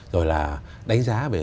rồi là đánh giá về